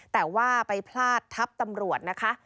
แต่ว่าไปพลาดทับตำรวจนะคะ